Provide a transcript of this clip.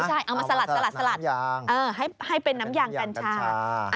ใช่เอามาสลัดให้เป็นน้ำยางกัญชา